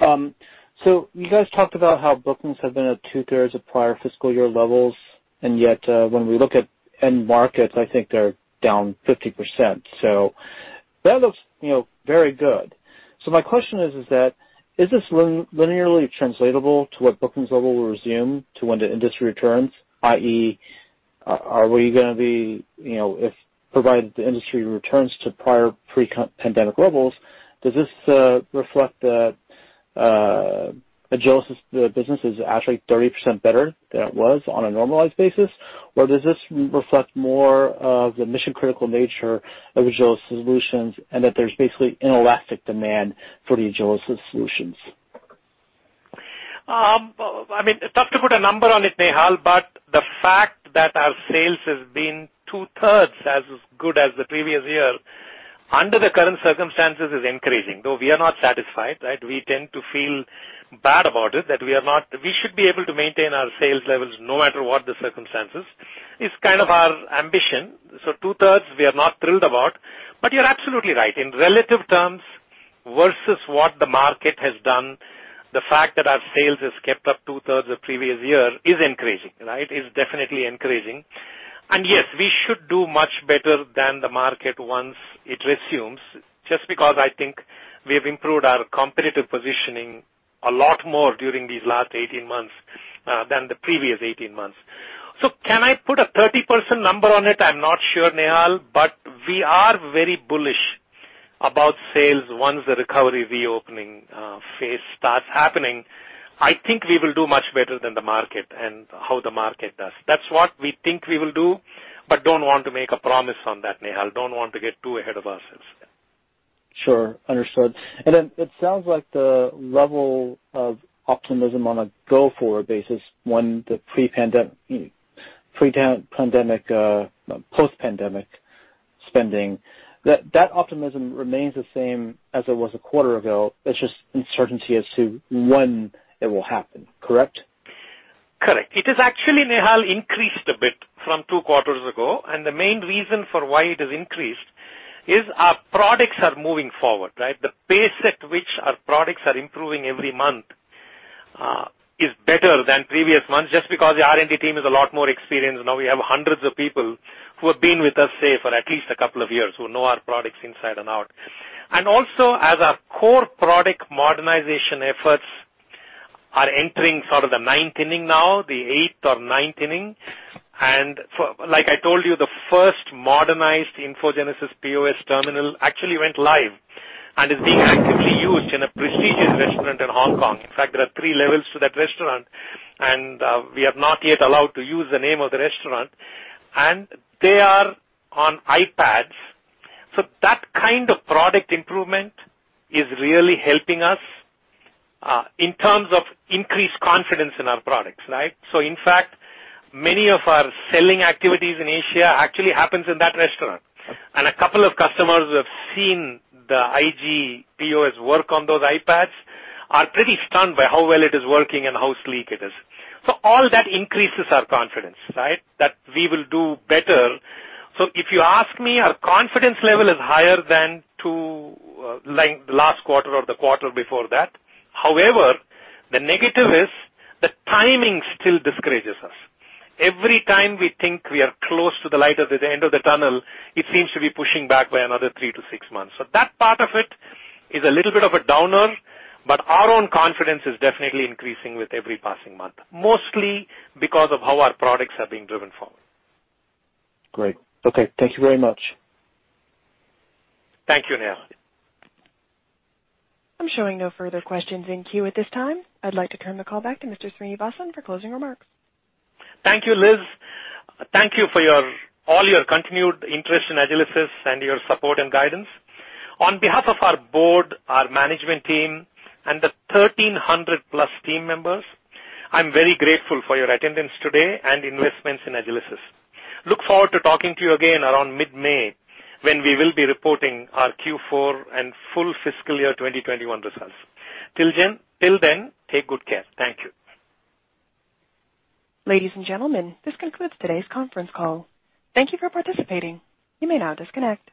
You guys talked about how bookings have been at 2/3 of prior fiscal year levels, and yet, when we look at end markets, I think they're down 50%, so that looks, you know, very good. My question is that, is this linearly translatable to what bookings level will resume to when the industry returns, i.e., are we going to be, you know, if provided the industry returns to prior pre-pandemic levels, does this reflect that Agilysys business is actually 30% better than it was on a normalized basis? Or does this reflect more of the mission-critical nature of Agilysys solutions and that there's basically inelastic demand for the Agilysys solutions? I mean, tough to put a number on it, Nehal, but the fact that our sales has been 2/3 as good as the previous year under the current circumstances is encouraging. Though we are not satisfied, right, we tend to feel bad about it, that we are not, we should be able to maintain our sales levels no matter what the circumstances, is kind of our ambition. So 2/3, we are not thrilled about, but you're absolutely right. In relative terms versus what the market has done, the fact that our sales has kept up 2/3 of previous year is encouraging. It's definitely encouraging. And yes, we should do much better than the market once it resumes, just because I think we have improved our competitive positioning a lot more during these last 18 months than the previous 18 months. So, can I put a 30% number on it? I'm not sure, Nehal, but we are very bullish about sales once the recovery, reopening phase starts happening. I think we will do much better than the market and how the market does. That's what we think we will do, but don't want to make a promise on that, Nehal. Don't want to get too ahead of ourselves. Sure. Understood. Then, it sounds like the level of optimism on a go-forward basis, one, the post-pandemic spending, that optimism remains the same as it was a quarter ago. It's just uncertainty as to when it will happen, correct? Correct. It has actually, Nehal, increased a bit from two quarters ago, and the main reason for why it has increased is our products are moving forward. Right? The pace at which our products are improving every month is better than previous months just because the R&D team is a lot more experienced now. We have hundreds of people who have been with us, say, for at least a couple of years, who know our products inside and out. Also, as our core product modernization efforts are entering for the ninth inning now, the eighth or ninth inning, like I told you, the first modernized InfoGenesis POS terminal actually went live and is being actively used in a prestigious restaurant in Hong Kong. In fact, there are three levels to that restaurant, and we are not yet allowed to use the name of the restaurant, and they are on iPads. So, that kind of product improvement is really helping us in terms of increased confidence in our products. Right? In fact, many of our selling activities in Asia actually happens in that restaurant, and a couple of customers who have seen the IG POS work on those iPads are pretty stunned by how well it is working and how sleek it is. All that increases our confidence, right, that we will do better. If you ask me, our confidence level is higher than to, like, the last quarter or the quarter before that. However, the negative is the timing still discourages us. Every time we think we are close to the light at the end of the tunnel, it seems to be pushing back by another three to six months. That part of it is a little bit of a downer, but our own confidence is definitely increasing with every passing month, mostly because of how our products have been driven forward. Great. Okay. Thank you very much. Thank you, Nehal. I'm showing no further questions in queue at this time. I'd like to turn the call back to Mr. Srinivasan for closing remarks. Thank you, Liz. Thank you for all your continued interest in Agilysys and your support and guidance. On behalf of our board, our management team, and the 1,300+ team members, I am very grateful for your attendance today and investments in Agilysys. Look forward to talking to you again around mid-May when we will be reporting our Q4 and full fiscal year 2021 results. Till then, take good care. Thank you. Ladies and gentlemen, this concludes today's conference call. Thank you for participating. You may now disconnect.